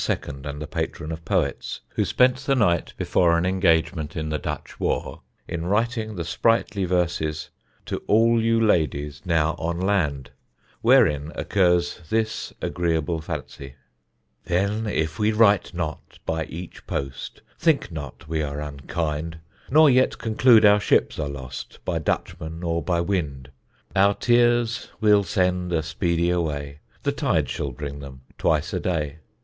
and the patron of poets, who spent the night before an engagement in the Dutch war in writing the sprightly verses, "To all you ladies now on land," wherein occurs this agreeable fancy: Then, if we write not by each post, Think not we are unkind; Nor yet conclude our ships are lost By Dutchmen or by wind; Our tears we'll send a speedier way: The tide shall bring them twice a day.